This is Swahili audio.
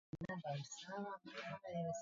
mwisho mpaka sasa Visiwa vya ngambo vya Marekani